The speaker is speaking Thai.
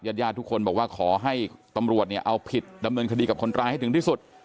ญาติญาติทุกคนบอกว่าขอให้ตำรวจเนี่ยเอาผิดดำเนินคดีกับคนร้ายให้ถึงที่สุด